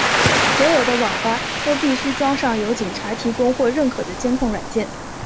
所有的网吧都必须装上由警察提供或认可的监控软件。